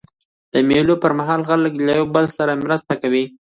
د مېلو پر مهال خلک له یوه بل سره مرسته کوي.